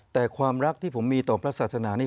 แต่ความรักที่ผมมีต่อพระศาสนานี้